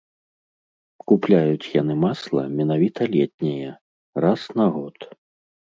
Купляюць яны масла менавіта летняе, раз на год.